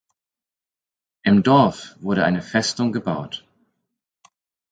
Im Dorf wurde eine Festung gebaut.